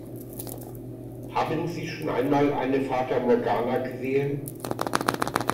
Haben Sie schon einmal eine Fata Morgana gesehen?